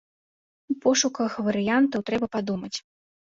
У пошуках варыянтаў трэба падумаць.